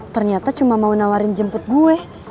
ternyata cuma mau nawarin jemput gue